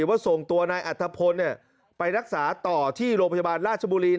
ว่าส่งตัวนายอัตภพลไปรักษาต่อที่โรงพยาบาลราชบุรี